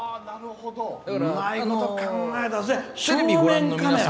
うまいこと考えたね。